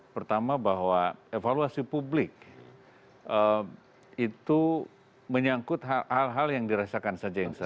pertama bahwa evaluasi publik itu menyangkut hal hal yang dirasakan saja yang salah